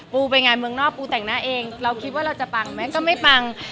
ปูไปงานเมืองนอกปูแต่งหน้าเองเราคิดว่าเราจะปังไหมก็ไม่ปัง